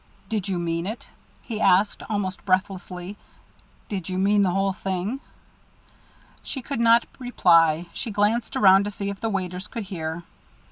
"Did you mean it?" he asked, almost breathlessly. "Did you mean the whole thing?" She could not reply. She glanced around to see if the waiters could hear.